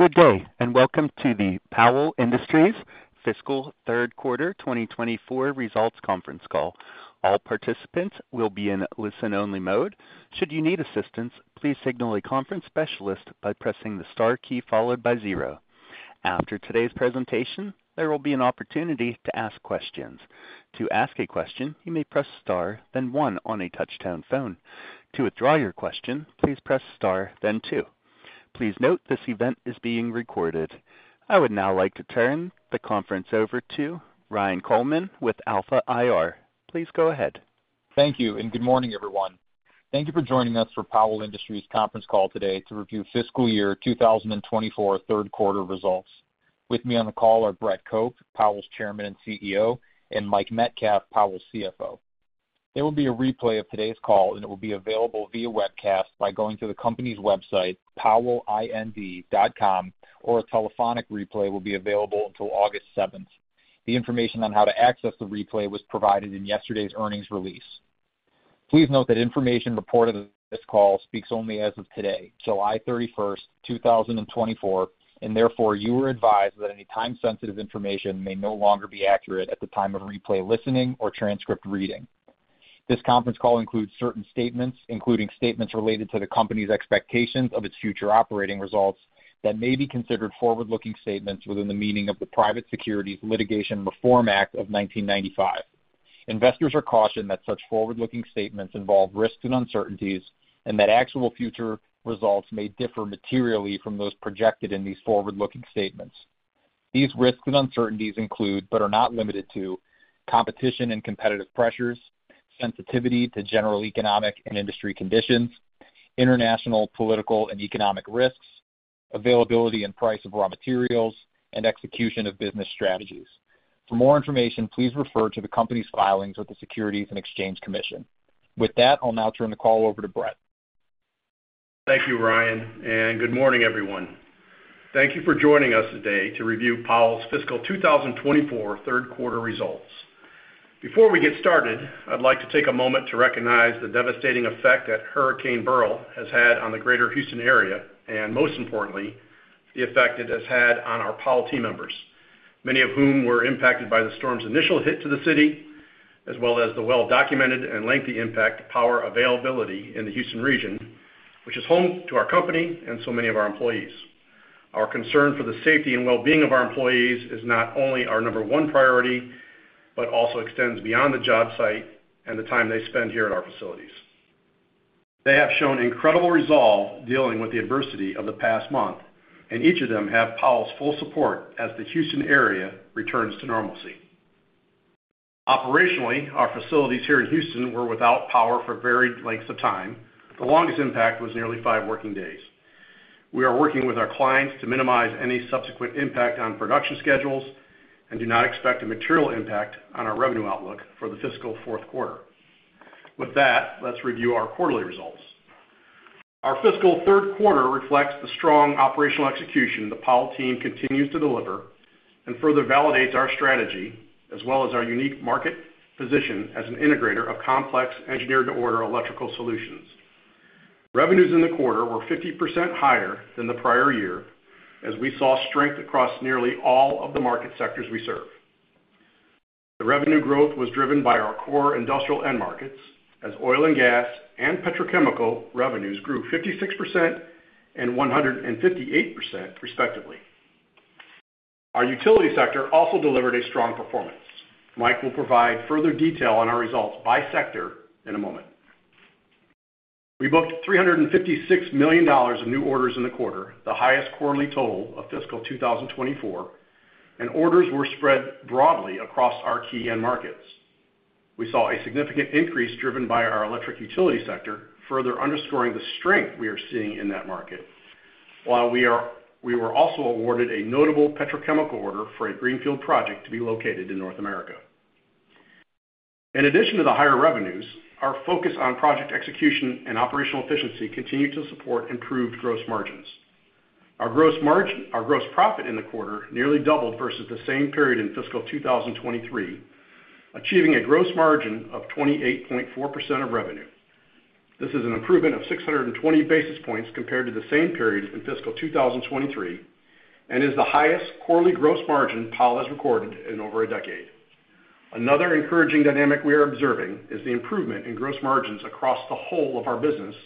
Good day, and welcome to the Powell Industries fiscal third quarter 2024 results conference call. All participants will be in listen-only mode. Should you need assistance, please signal a conference specialist by pressing the star key followed by zero. After today's presentation, there will be an opportunity to ask questions. To ask a question, you may press star, then one on a touchtone phone. To withdraw your question, please press star, then two. Please note, this event is being recorded. I would now like to turn the conference over to Ryan Coleman with Alpha IR. Please go ahead. Thank you, and good morning, everyone. Thank you for joining us for Powell Industries conference call today to review fiscal year 2024, third quarter results. With me on the call are Brett Cope, Powell's Chairman and CEO, and Mike Metcalf, Powell's CFO. There will be a replay of today's call, and it will be available via webcast by going to the company's website, powellind.com, or a telephonic replay will be available until August 7th. The information on how to access the replay was provided in yesterday's earnings release. Please note that information reported in this call speaks only as of today, July 31st, 2024, and therefore, you are advised that any time-sensitive information may no longer be accurate at the time of replay, listening, or transcript reading. This conference call includes certain statements, including statements related to the company's expectations of its future operating results that may be considered forward-looking statements within the meaning of the Private Securities Litigation Reform Act of 1995. Investors are cautioned that such forward-looking statements involve risks and uncertainties, and that actual future results may differ materially from those projected in these forward-looking statements. These risks and uncertainties include, but are not limited to, competition and competitive pressures, sensitivity to general economic and industry conditions, international, political and economic risks, availability and price of raw materials, and execution of business strategies. For more information, please refer to the company's filings with the Securities and Exchange Commission. With that, I'll now turn the call over to Brett. Thank you, Ryan, and good morning, everyone. Thank you for joining us today to review Powell's fiscal 2024 third quarter results. Before we get started, I'd like to take a moment to recognize the devastating effect that Hurricane Beryl has had on the greater Houston area, and most importantly, the effect it has had on our Powell team members, many of whom were impacted by the storm's initial hit to the city, as well as the well-documented and lengthy impact of power availability in the Houston region, which is home to our company and so many of our employees. Our concern for the safety and well-being of our employees is not only our number one priority, but also extends beyond the job site and the time they spend here at our facilities. They have shown incredible resolve dealing with the adversity of the past month, and each of them have Powell's full support as the Houston area returns to normalcy. Operationally, our facilities here in Houston were without power for varied lengths of time. The longest impact was nearly 5 working days. We are working with our clients to minimize any subsequent impact on production schedules and do not expect a material impact on our revenue outlook for the fiscal fourth quarter. With that, let's review our quarterly results. Our fiscal third quarter reflects the strong operational execution the Powell team continues to deliver and further validates our strategy, as well as our unique market position as an integrator of complex, engineered-to-order electrical solutions. Revenues in the quarter were 50% higher than the prior year, as we saw strength across nearly all of the market sectors we serve. The revenue growth was driven by our core industrial end markets, as oil and gas and petrochemical revenues grew 56% and 158%, respectively. Our utility sector also delivered a strong performance. Mike will provide further detail on our results by sector in a moment. We booked $356 million of new orders in the quarter, the highest quarterly total of fiscal 2024, and orders were spread broadly across our key end markets. We saw a significant increase driven by our electric utility sector, further underscoring the strength we are seeing in that market. While we were also awarded a notable petrochemical order for a greenfield project to be located in North America. In addition to the higher revenues, our focus on project execution and operational efficiency continued to support improved gross margins. Our gross margin, our gross profit in the quarter nearly doubled versus the same period in fiscal 2023, achieving a gross margin of 28.4% of revenue. This is an improvement of 620 basis points compared to the same period in fiscal 2023, and is the highest quarterly gross margin Powell has recorded in over a decade. Another encouraging dynamic we are observing is the improvement in gross margins across the whole of our business,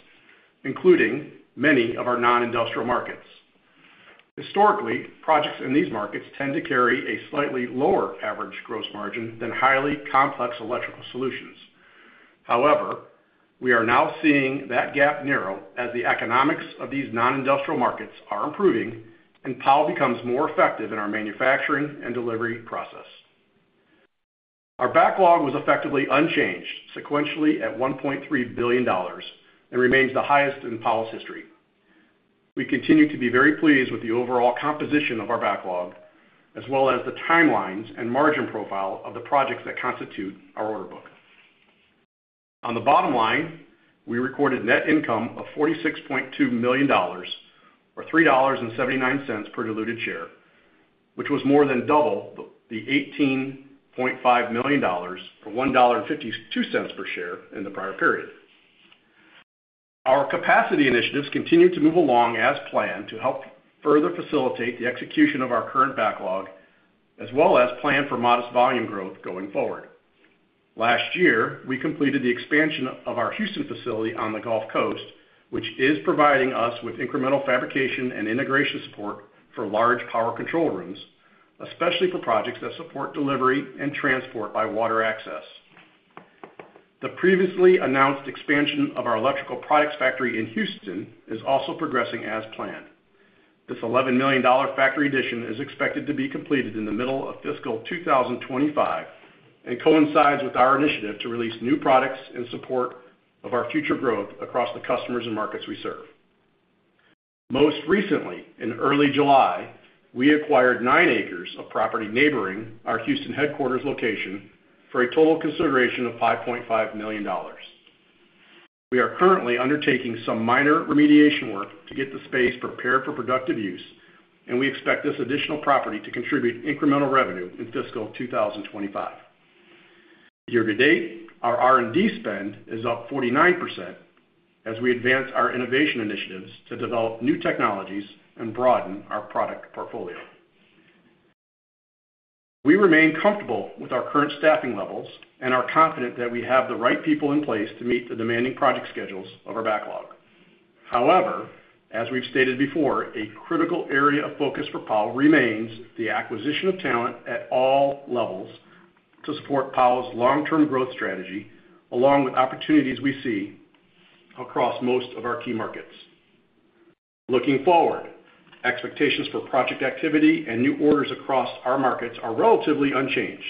including many of our non-industrial markets. Historically, projects in these markets tend to carry a slightly lower average gross margin than highly complex electrical solutions. However, we are now seeing that gap narrow as the economics of these non-industrial markets are improving and Powell becomes more effective in our manufacturing and delivery process. Our backlog was effectively unchanged sequentially at $1.3 billion and remains the highest in Powell's history. We continue to be very pleased with the overall composition of our backlog, as well as the timelines and margin profile of the projects that constitute our order book. On the bottom line, we recorded net income of $46.2 million or $3.79 per diluted share, which was more than double the $18.5 million for $1.52 per share in the prior period. Our capacity initiatives continue to move along as planned to help further facilitate the execution of our current backlog, as well as plan for modest volume growth going forward. Last year, we completed the expansion of our Houston facility on the Gulf Coast, which is providing us with incremental fabrication and integration support for large power control rooms, especially for projects that support delivery and transport by water access. The previously announced expansion of our electrical products factory in Houston is also progressing as planned. This $11 million factory addition is expected to be completed in the middle of fiscal 2025, and coincides with our initiative to release new products in support of our future growth across the customers and markets we serve. Most recently, in early July, we acquired nine acres of property neighboring our Houston headquarters location for a total consideration of $5.5 million. We are currently undertaking some minor remediation work to get the space prepared for productive use, and we expect this additional property to contribute incremental revenue in fiscal 2025. Year to date, our R&D spend is up 49% as we advance our innovation initiatives to develop new technologies and broaden our product portfolio. We remain comfortable with our current staffing levels and are confident that we have the right people in place to meet the demanding project schedules of our backlog. However, as we've stated before, a critical area of focus for Powell remains the acquisition of talent at all levels to support Powell's long-term growth strategy, along with opportunities we see across most of our key markets. Looking forward, expectations for project activity and new orders across our markets are relatively unchanged.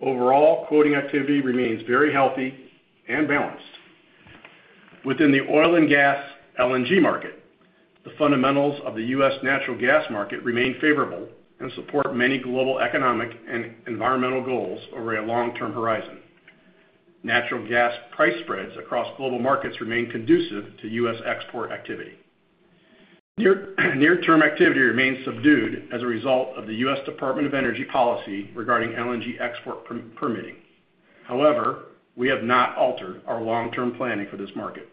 Overall, quoting activity remains very healthy and balanced. Within the oil and gas LNG market, the fundamentals of the U.S. natural gas market remain favorable and support many global economic and environmental goals over a long-term horizon. Natural gas price spreads across global markets remain conducive to U.S. export activity. Near-term activity remains subdued as a result of the U.S. Department of Energy policy regarding LNG export permitting. However, we have not altered our long-term planning for this market.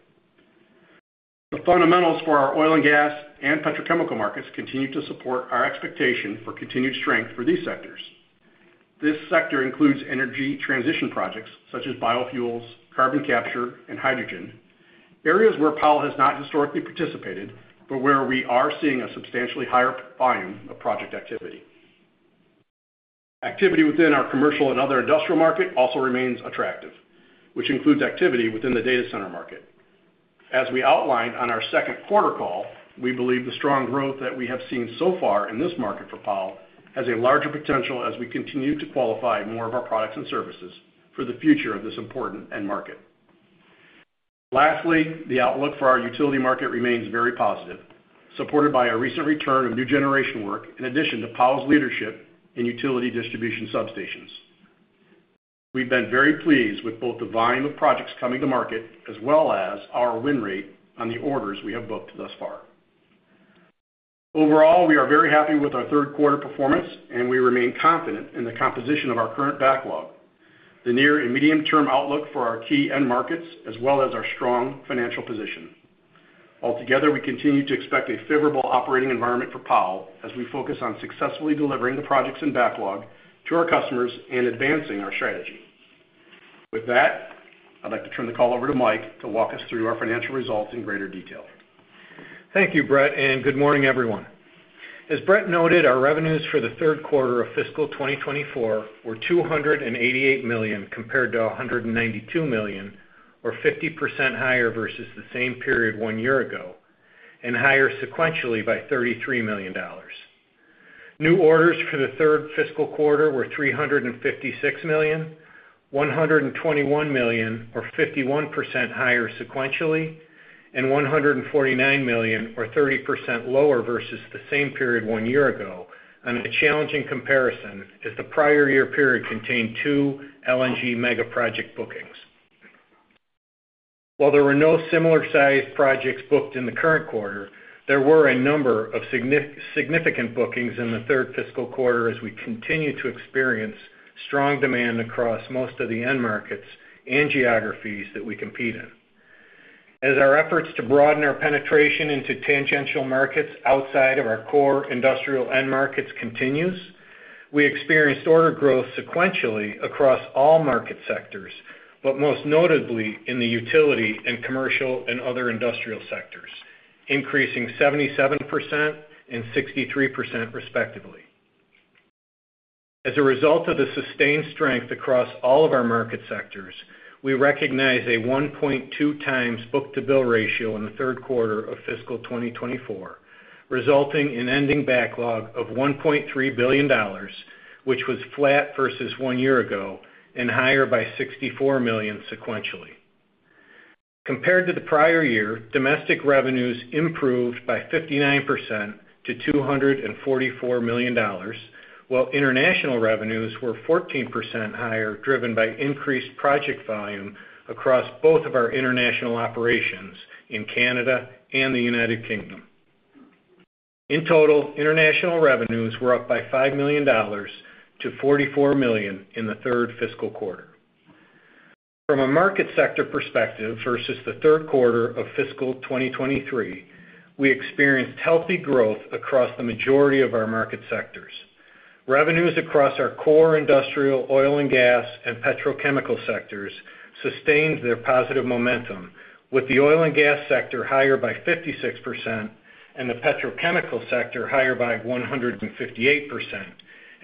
The fundamentals for our oil and gas and petrochemical markets continue to support our expectation for continued strength for these sectors. This sector includes energy transition projects such as biofuels, carbon capture, and hydrogen, areas where Powell has not historically participated, but where we are seeing a substantially higher volume of project activity. Activity within our commercial and other industrial market also remains attractive, which includes activity within the data center market. As we outlined on our second quarter call, we believe the strong growth that we have seen so far in this market for Powell has a larger potential as we continue to qualify more of our products and services for the future of this important end market. Lastly, the outlook for our utility market remains very positive, supported by a recent return of new generation work, in addition to Powell's leadership in utility distribution substations. We've been very pleased with both the volume of projects coming to market, as well as our win rate on the orders we have booked thus far. Overall, we are very happy with our third quarter performance, and we remain confident in the composition of our current backlog, the near and medium-term outlook for our key end markets, as well as our strong financial position. Altogether, we continue to expect a favorable operating environment for Powell as we focus on successfully delivering the projects and backlog to our customers and advancing our strategy. With that, I'd like to turn the call over to Mike to walk us through our financial results in greater detail. Thank you, Brett, and good morning, everyone. As Brett noted, our revenues for the third quarter of fiscal 2024 were $288 million, compared to $192 million, or 50% higher versus the same period one year ago, and higher sequentially by $33 million. New orders for the third fiscal quarter were $356 million, $121 million, or 51% higher sequentially, and $149 million, or 30% lower versus the same period one year ago on a challenging comparison, as the prior year period contained two LNG mega project bookings. While there were no similar-sized projects booked in the current quarter, there were a number of significant bookings in the third fiscal quarter as we continue to experience strong demand across most of the end markets and geographies that we compete in. As our efforts to broaden our penetration into tangential markets outside of our core industrial end markets continues, we experienced order growth sequentially across all market sectors, but most notably in the utility and commercial and other industrial sectors, increasing 77% and 63%, respectively. As a result of the sustained strength across all of our market sectors, we recognize a 1.2x book-to-bill ratio in the third quarter of fiscal 2024, resulting in ending backlog of $1.3 billion, which was flat versus one year ago and higher by $64 million sequentially. Compared to the prior year, domestic revenues improved by 59% to $244 million, while international revenues were 14% higher, driven by increased project volume across both of our international operations in Canada and the United Kingdom. In total, international revenues were up by $5 million to $44 million in the third fiscal quarter. From a market sector perspective, versus the third quarter of fiscal 2023, we experienced healthy growth across the majority of our market sectors. Revenues across our core industrial, oil and gas, and petrochemical sectors sustained their positive momentum, with the oil and gas sector higher by 56% and the petrochemical sector higher by 158%,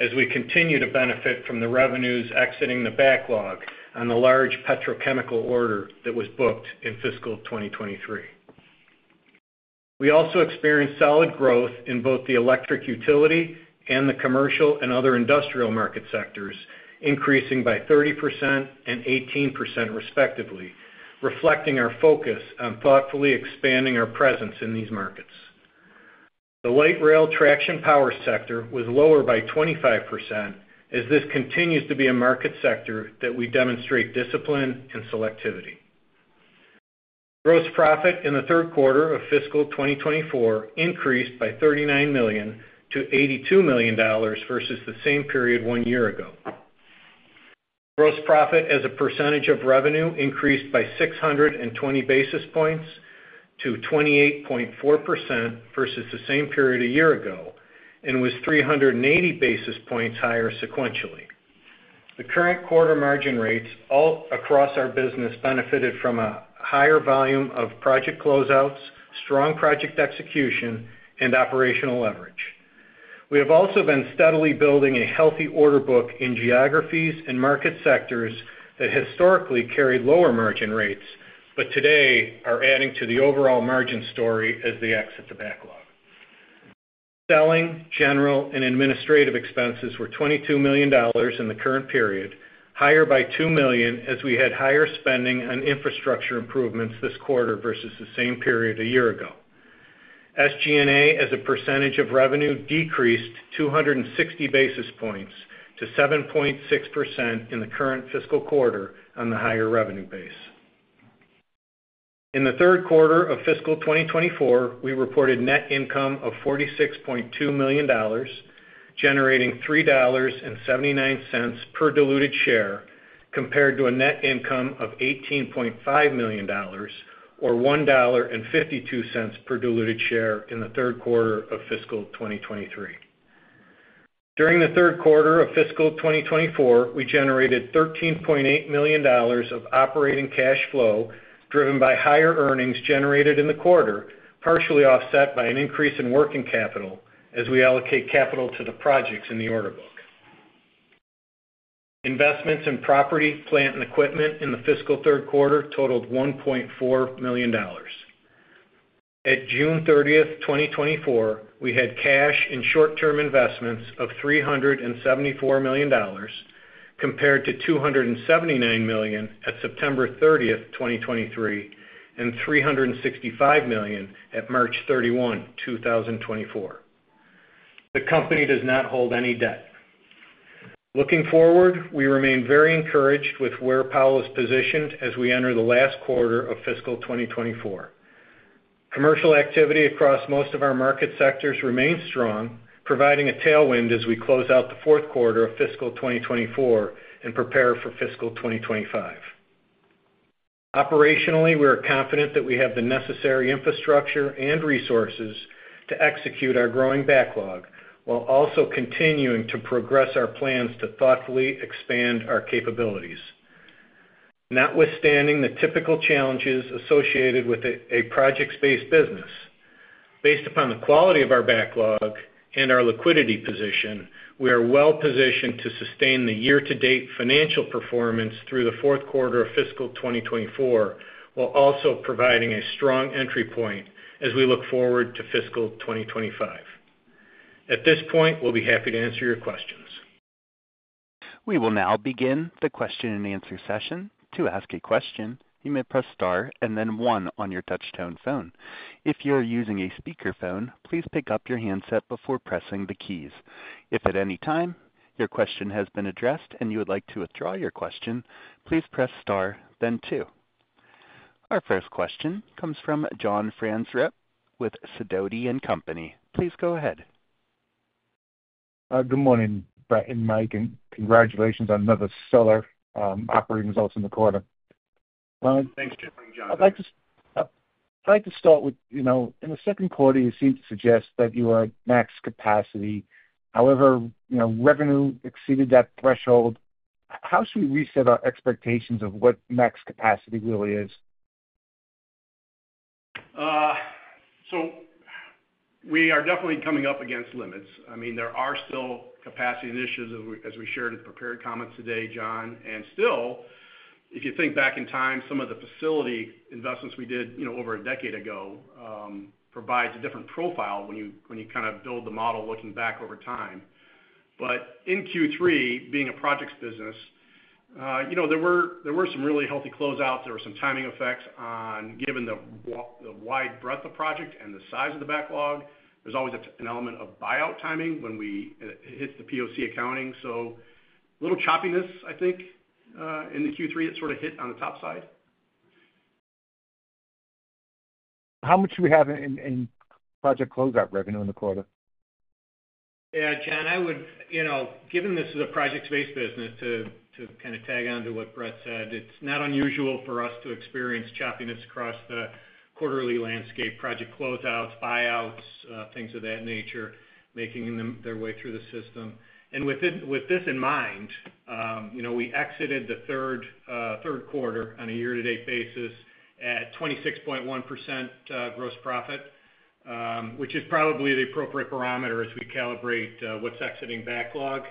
as we continue to benefit from the revenues exiting the backlog on the large petrochemical order that was booked in fiscal 2023. We also experienced solid growth in both the electric utility and the commercial and other industrial market sectors, increasing by 30% and 18%, respectively, reflecting our focus on thoughtfully expanding our presence in these markets. The light rail traction power sector was lower by 25%, as this continues to be a market sector that we demonstrate discipline and selectivity. Gross profit in the third quarter of fiscal 2024 increased by $39 million to $82 million versus the same period one year ago. Gross profit as a percentage of revenue increased by 620 basis points to 28.4% versus the same period a year ago and was 380 basis points higher sequentially. The current quarter margin rates all across our business benefited from a higher volume of project closeouts, strong project execution, and operational leverage. We have also been steadily building a healthy order book in geographies and market sectors that historically carried lower margin rates, but today are adding to the overall margin story as they exit the backlog. Selling, general, and administrative expenses were $22 million in the current period, higher by $2 million, as we had higher spending on infrastructure improvements this quarter versus the same period a year ago. SG&A, as a percentage of revenue, decreased 260 basis points to 7.6% in the current fiscal quarter on the higher revenue base. In the third quarter of fiscal 2024, we reported net income of $46.2 million, generating $3.79 per diluted share, compared to a net income of $18.5 million, or $1.52 per diluted share in the third quarter of fiscal 2023. During the third quarter of fiscal 2024, we generated $13.8 million of operating cash flow, driven by higher earnings generated in the quarter, partially offset by an increase in working capital as we allocate capital to the projects in the order book. Investments in property, plant, and equipment in the fiscal third quarter totaled $1.4 million. At June 30th, 2024, we had cash and short-term investments of $374 million, compared to $279 million at September 30th, 2023, and $365 million at March 31, 2024. The company does not hold any debt. Looking forward, we remain very encouraged with where Powell is positioned as we enter the last quarter of fiscal 2024. Commercial activity across most of our market sectors remains strong, providing a tailwind as we close out the fourth quarter of fiscal 2024 and prepare for fiscal 2025. Operationally, we are confident that we have the necessary infrastructure and resources to execute our growing backlog, while also continuing to progress our plans to thoughtfully expand our capabilities. Notwithstanding the typical challenges associated with a projects-based business, based upon the quality of our backlog and our liquidity position, we are well positioned to sustain the year-to-date financial performance through the fourth quarter of fiscal 2024, while also providing a strong entry point as we look forward to fiscal 2025. At this point, we'll be happy to answer your questions. We will now begin the question-and-answer session. To ask a question, you may press star and then one on your touchtone phone. If you're using a speakerphone, please pick up your handset before pressing the keys. If at any time your question has been addressed and you would like to withdraw your question, please press star, then two. Our first question comes from John Franzreb with Sidoti & Company. Please go ahead. Good morning, Brett and Mike, and congratulations on another stellar operating results in the quarter. Well, thanks, John. I'd like to start with, you know, in the second quarter, you seem to suggest that you are at max capacity. However, you know, revenue exceeded that threshold. How should we reset our expectations of what max capacity really is? So we are definitely coming up against limits. I mean, there are still capacity initiatives, as we shared in prepared comments today, John. And still, if you think back in time, some of the facility investments we did, you know, over a decade ago, provides a different profile when you kind of build the model looking back over time. But in Q3, being a projects business, you know, there were some really healthy closeouts. There were some timing effects on, given the wide breadth of project and the size of the backlog. There's always an element of buyout timing when we-- it hits the POC accounting. So a little choppiness, I think, in Q3, that sort of hit on the top side. ...How much do we have in project closeout revenue in the quarter? Yeah, John, I would, you know, given this is a project-based business, to kind of tag on to what Brett said, it's not unusual for us to experience choppiness across the quarterly landscape, project closeouts, buyouts, things of that nature, making their way through the system. And with this in mind, you know, we exited the third quarter on a year-to-date basis at 26.1% gross profit, which is probably the appropriate parameter as we calibrate what's exiting backlog.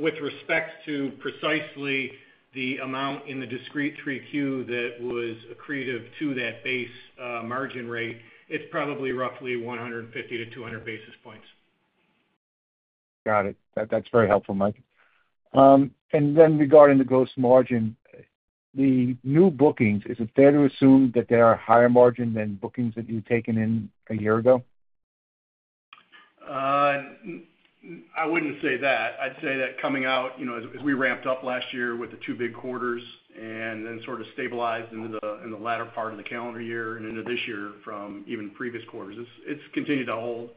With respect to precisely the amount in the discrete Q3 that was accretive to that base margin rate, it's probably roughly 150-200 basis points. Got it. That's very helpful, Mike. And then regarding the gross margin, the new bookings, is it fair to assume that they are higher margin than bookings that you've taken in a year ago? I wouldn't say that. I'd say that coming out, you know, as we ramped up last year with the two big quarters and then sort of stabilized in the latter part of the calendar year and into this year from even previous quarters, it's continued to hold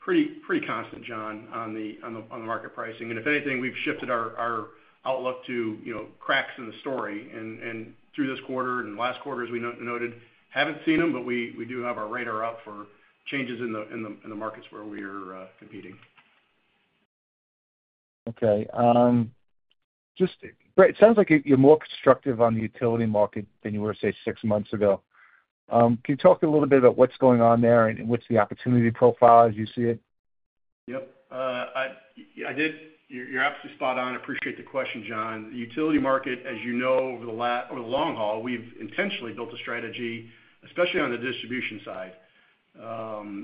pretty constant, John, on the market pricing. And if anything, we've shifted our outlook to, you know, cracks in the story. And through this quarter and last quarter, as we noted, haven't seen them, but we do have our radar up for changes in the markets where we are competing. Okay. Just, Brett, it sounds like you're, you're more constructive on the utility market than you were, say, six months ago. Can you talk a little bit about what's going on there and what's the opportunity profile as you see it? Yep. I did... You're absolutely spot on. I appreciate the question, John. The utility market, as you know, over the long haul, we've intentionally built a strategy, especially on the distribution side,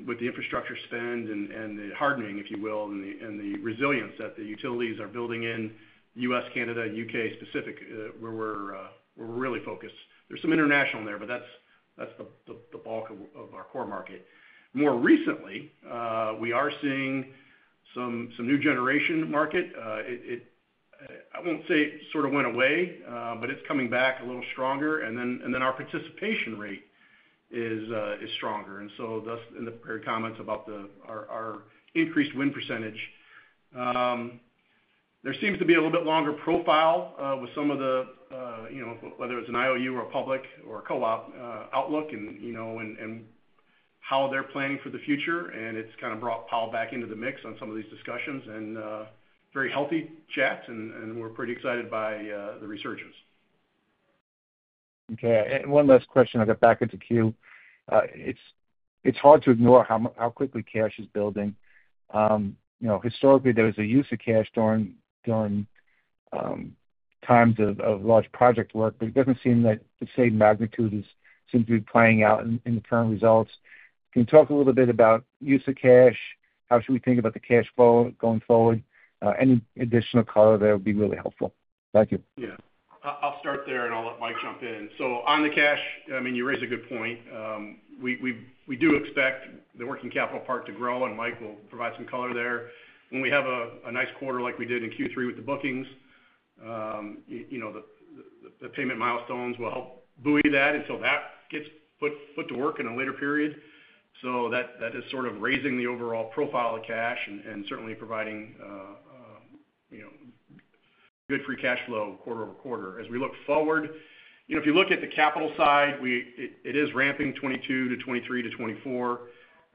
with the infrastructure spend and the hardening, if you will, and the resilience that the utilities are building in U.S., Canada, U.K. specific, where we're really focused. There's some international in there, but that's the bulk of our core market. More recently, we are seeing some new generation market. It won't say it sort of went away, but it's coming back a little stronger, and then our participation rate is stronger. And so thus, in the prepared comments about our increased win percentage. There seems to be a little bit longer profile with some of the, you know, whether it's an IOU or a public or a co-op outlook, and, you know, and, and how they're planning for the future, and it's kind of brought power back into the mix on some of these discussions, and very healthy chats, and, and we're pretty excited by the resurgence. Okay. And one last question, I'll get back into queue. It's hard to ignore how quickly cash is building. You know, historically, there was a use of cash during times of large project work, but it doesn't seem like the same magnitude is simply playing out in the current results. Can you talk a little bit about use of cash? How should we think about the cash flow going forward? Any additional color there would be really helpful. Thank you. Yeah. I'll start there, and I'll let Mike jump in. So on the cash, I mean, you raise a good point. We do expect the working capital part to grow, and Mike will provide some color there. When we have a nice quarter like we did in Q3 with the bookings, you know, the payment milestones will help buoy that until that gets put to work in a later period. So that is sort of raising the overall profile of cash and certainly providing, you know, good free cash flow quarter over quarter. As we look forward, you know, if you look at the capital side, it is ramping 2022 to 2023 to 2024.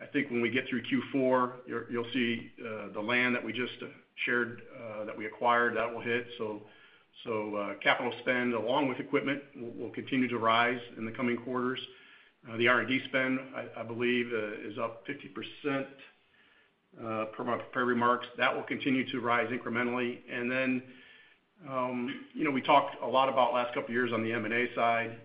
I think when we get through Q4, you'll see the land that we just shared that we acquired, that will hit. So, capital spend, along with equipment, will continue to rise in the coming quarters. The R&D spend, I believe, is up 50%, per my prepared remarks. That will continue to rise incrementally. And then, you know, we talked a lot about last couple of years on the M&A side.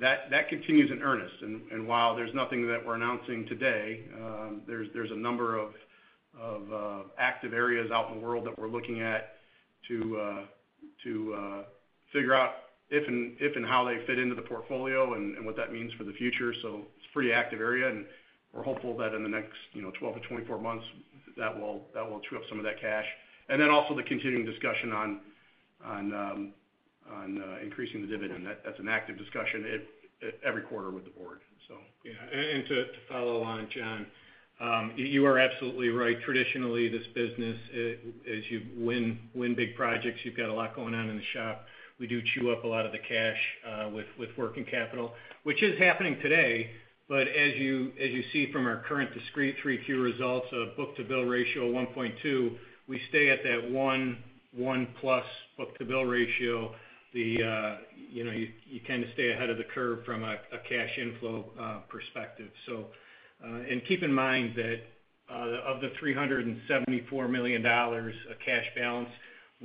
That continues in earnest. And while there's nothing that we're announcing today, there's a number of active areas out in the world that we're looking at to figure out if and how they fit into the portfolio and what that means for the future. So it's a pretty active area, and we're hopeful that in the next, you know, 12-24 months, that will chew up some of that cash. And then also the continuing discussion on increasing the dividend. That's an active discussion at every quarter with the board, so. Yeah. And to follow on, John, you are absolutely right. Traditionally, this business, as you win big projects, you've got a lot going on in the shop. We do chew up a lot of the cash with working capital, which is happening today. But as you see from our current discrete 3Q results of book-to-bill ratio of 1.2, we stay at that 1, 1+ book-to-bill ratio. You know, you kind of stay ahead of the curve from a cash inflow perspective. So, and keep in mind that of the $374 million of cash balance,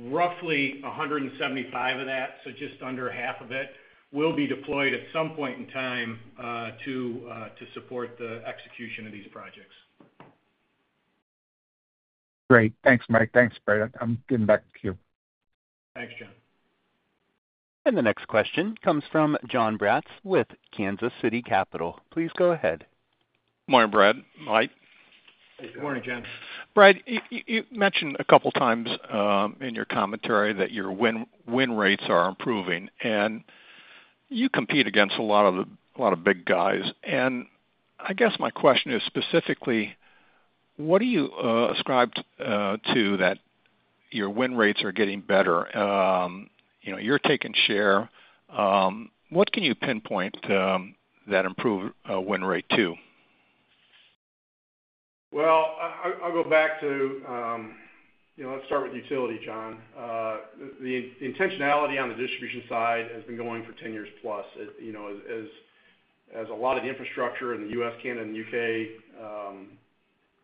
roughly $175 of that, so just under half of it, will be deployed at some point in time to support the execution of these projects. Great. Thanks, Mike. Thanks, Brett. I'm getting back to queue. Thanks, John. The next question comes from Jon Braatz with Kansas City Capital. Please go ahead.... Good morning, Brett, Mike. Good morning, John. Brad, you mentioned a couple of times in your commentary that your win rates are improving, and you compete against a lot of big guys. And I guess my question is specifically, what do you ascribe to that your win rates are getting better? You know, you're taking share. What can you pinpoint that improved win rate to? Well, I'll go back to, you know, let's start with utility, John. The intentionality on the distribution side has been going for 10+ years. You know, as a lot of the infrastructure in the U.S., Canada, and the U.K.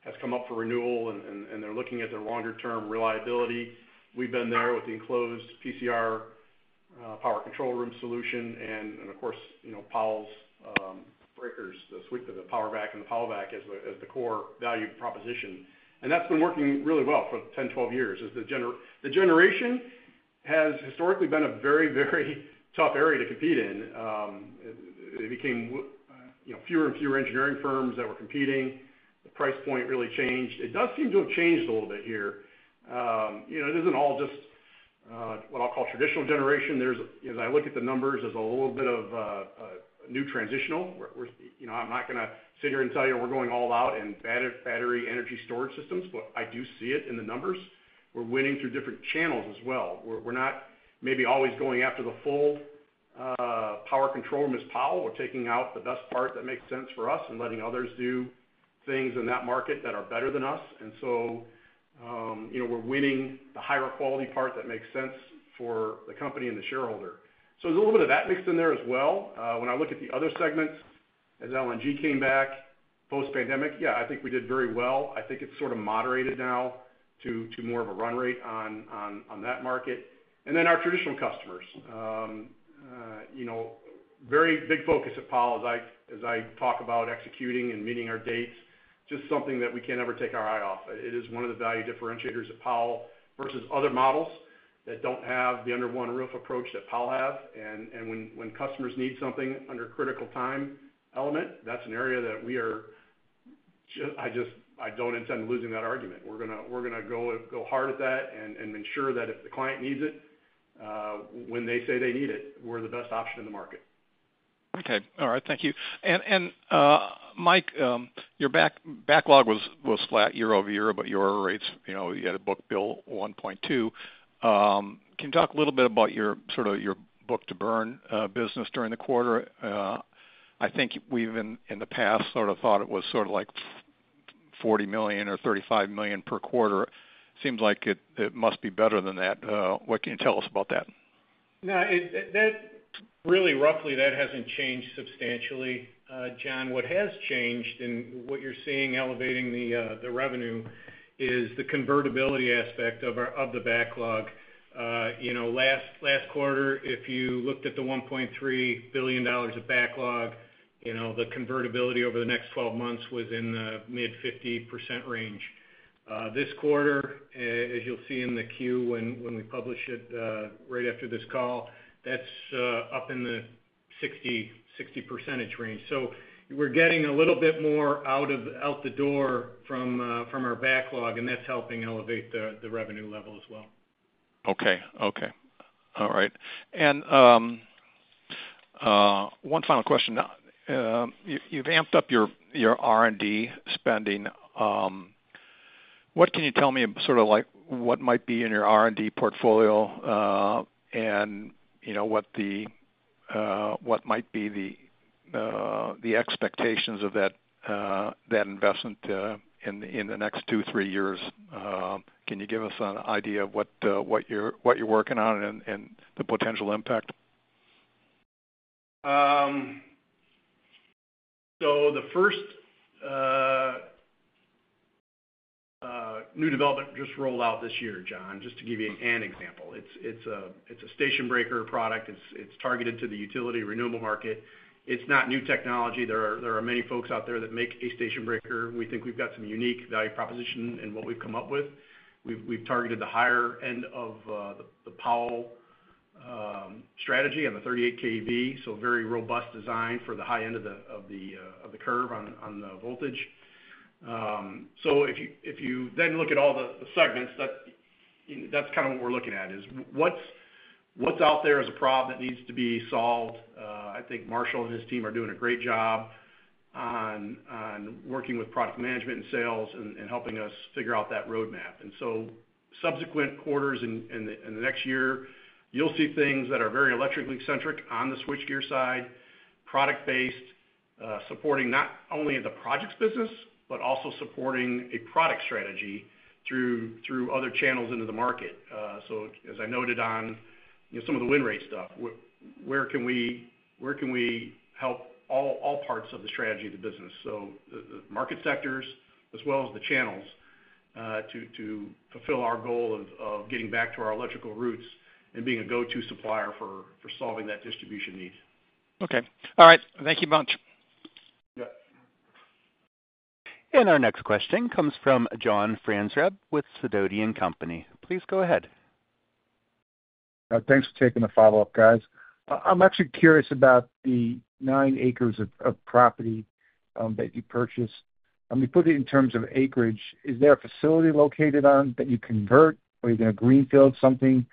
has come up for renewal, and they're looking at their longer-term reliability, we've been there with the enclosed PCR, power control room solution, and of course, you know, Powell's breakers, the suite of the Power/Vac and the PowlVac as the core value proposition. And that's been working really well for 10, 12 years as the generation has historically been a very, very tough area to compete in. It became, you know, fewer and fewer engineering firms that were competing. The price point really changed. It does seem to have changed a little bit here. You know, it isn't all just what I'll call traditional generation. There's... As I look at the numbers, there's a little bit of new transitional, where, where, you know, I'm not gonna sit here and tell you we're going all out in battery energy storage systems, but I do see it in the numbers. We're winning through different channels as well. We're not maybe always going after the full power control room as Powell. We're taking out the best part that makes sense for us and letting others do things in that market that are better than us. And so, you know, we're winning the higher quality part that makes sense for the company and the shareholder. So there's a little bit of that mixed in there as well. When I look at the other segments, as LNG came back, post-pandemic, yeah, I think we did very well. I think it's sort of moderated now to more of a run rate on that market. And then our traditional customers. You know, very big focus at Powell as I talk about executing and meeting our dates, just something that we can't ever take our eye off. It is one of the value differentiators of Powell versus other models that don't have the under-one-roof approach that Powell have. And when customers need something under critical time element, that's an area that we are. I just don't intend on losing that argument. We're gonna go hard at that and ensure that if the client needs it, when they say they need it, we're the best option in the market. Okay. All right, thank you. Mike, your backlog was flat year-over-year, but your rates, you know, you had a book-to-bill 1.2. Can you talk a little bit about your sort of your book-to-bill business during the quarter? I think we've in the past sort of thought it was sort of like $40 million or $35 million per quarter. Seems like it must be better than that. What can you tell us about that? No, that really, roughly, hasn't changed substantially, John. What has changed and what you're seeing elevating the revenue is the convertibility aspect of our backlog. You know, last quarter, if you looked at the $1.3 billion of backlog, you know, the convertibility over the next 12 months was in the mid-50% range. This quarter, as you'll see in the Q when we publish it right after this call, that's up in the 60% range. So we're getting a little bit more out the door from our backlog, and that's helping elevate the revenue level as well. Okay. Okay. All right. One final question. You've amped up your R&D spending. What can you tell me, sort of like, what might be in your R&D portfolio, and, you know, what the expectations of that investment in the next two, three years? Can you give us an idea of what you're working on and the potential impact? So the first new development just rolled out this year, John, just to give you an example. It's a station breaker product. It's targeted to the utility renewable market. It's not new technology. There are many folks out there that make a station breaker. We think we've got some unique value proposition in what we've come up with. We've targeted the higher end of the Powell strategy on the 38 kV, so very robust design for the high end of the curve on the voltage. So if you then look at all the segments, that you know, that's kind of what we're looking at, is what's out there as a problem that needs to be solved? I think Marshall and his team are doing a great job on working with product management and sales and helping us figure out that roadmap. And so subsequent quarters in the next year, you'll see things that are very electrically centric on the switchgear side, product-based, supporting not only the projects business, but also supporting a product strategy through other channels into the market. So as I noted on, you know, some of the win rate stuff, where can we help all parts of the strategy of the business? So the market sectors as well as the channels to fulfill our goal of getting back to our electrical roots and being a go-to supplier for solving that distribution need. Okay. All right. Thank you much. Yeah. Our next question comes from John Franzreb with Sidoti & Company. Please go ahead.... Thanks for taking the follow-up, guys. I'm actually curious about the nine acres of property that you purchased. When we put it in terms of acreage, is there a facility located on that you convert or you're gonna greenfield something?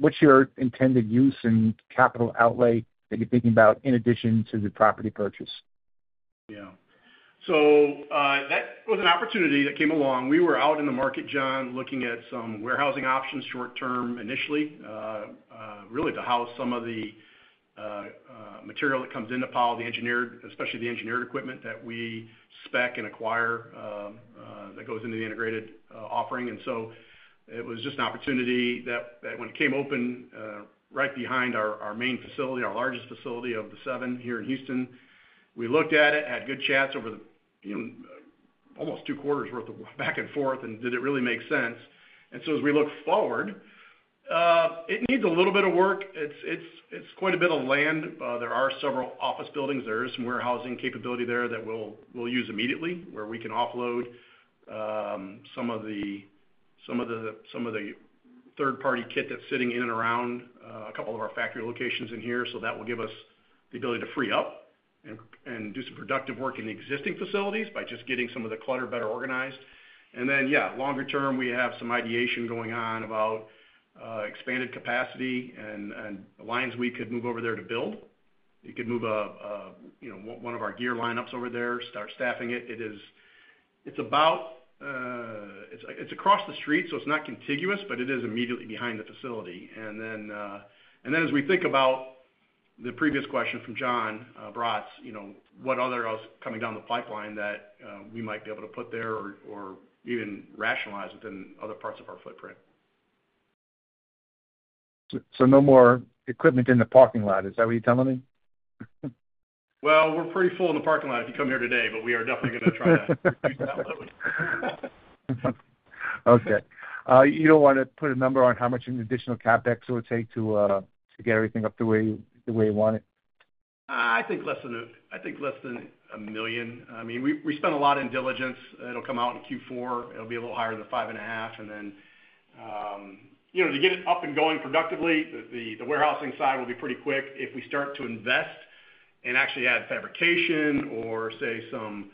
What's your intended use and capital outlay that you're thinking about in addition to the property purchase? Yeah. So, that was an opportunity that came along. We were out in the market, John, looking at some warehousing options short term initially, really to house some of the, material that comes into Powell, the engineered, especially the engineered equipment that we spec and acquire, that goes into the integrated, offering. And so it was just an opportunity that when it came open, right behind our main facility, our largest facility of the seven here in Houston, we looked at it, had good chats over the, you know, almost two quarters worth of back and forth, and did it really make sense. And so as we look forward, it needs a little bit of work. It's quite a bit of land. There are several office buildings. There is some warehousing capability there that we'll use immediately, where we can offload some of the third-party kit that's sitting in and around a couple of our factory locations in here. So that will give us the ability to free up and do some productive work in the existing facilities by just getting some of the clutter better organized. And then, yeah, longer term, we have some ideation going on about expanded capacity and lines we could move over there to build. We could move a, you know, one of our gear lineups over there, start staffing it. It is. It's about. It's across the street, so it's not contiguous, but it is immediately behind the facility. And then as we think about the previous question from Jon Braatz, you know, what other else coming down the pipeline that we might be able to put there or even rationalize within other parts of our footprint. So no more equipment in the parking lot, is that what you're telling me? Well, we're pretty full in the parking lot if you come here today, but we are definitely gonna try to reduce that load. Okay. You don't wanna put a number on how much in additional CapEx it would take to get everything up the way, the way you want it? I think less than $1 million. I mean, we spent a lot in diligence. It'll come out in Q4. It'll be a little higher than $5.5 million. And then, you know, to get it up and going productively, the warehousing side will be pretty quick. If we start to invest and actually add fabrication or, say, some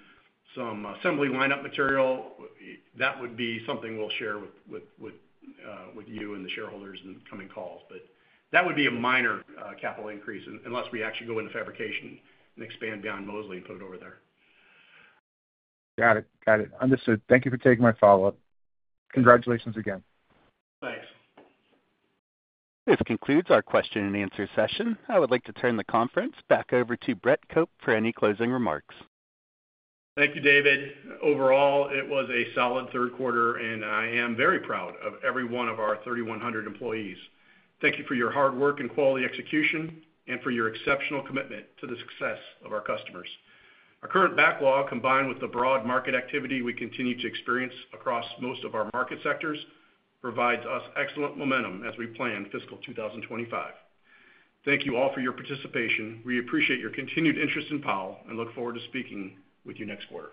assembly lineup material, that would be something we'll share with you and the shareholders in the coming calls. But that would be a minor capital increase unless we actually go into fabrication and expand beyond mostly and put it over there. Got it. Got it. Understood. Thank you for taking my follow-up. Congratulations again. Thanks. This concludes our question and answer session. I would like to turn the conference back over to Brett Cope for any closing remarks. Thank you, David. Overall, it was a solid third quarter, and I am very proud of every one of our 3,100 employees. Thank you for your hard work and quality execution and for your exceptional commitment to the success of our customers. Our current backlog, combined with the broad market activity we continue to experience across most of our market sectors, provides us excellent momentum as we plan fiscal 2025. Thank you all for your participation. We appreciate your continued interest in Powell and look forward to speaking with you next quarter.